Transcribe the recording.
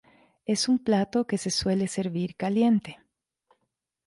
Es un plato que se suele servir caliente.